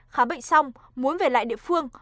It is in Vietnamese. khám bệnh xong muốn về lại địa phương